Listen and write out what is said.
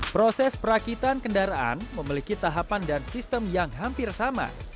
proses perakitan kendaraan memiliki tahapan dan sistem yang hampir sama